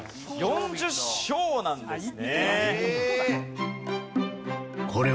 ４０升なんですね。